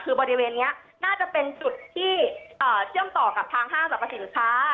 คือบริเวณนี้น่าจะเป็นจุดที่เชื่อมต่อกับทางห้างสรรพสินค้า